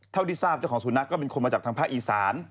เท่าที่ทราบเจ้าของสุนัขก็เป็นคนมาจากทางภาคอีสาน